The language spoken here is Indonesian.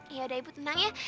iya udah ibu tenang ya